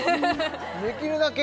できるだけ